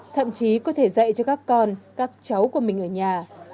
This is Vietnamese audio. thậm chí có thể dạy cho các con các cháu của mình ở nhà